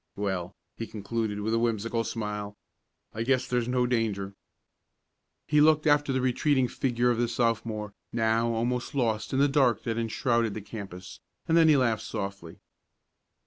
Well," he concluded with a whimsical smile, "I guess there's no danger." He looked after the retreating figure of the Sophomore, now almost lost in the dusk that enshrouded the campus, and then he laughed softly.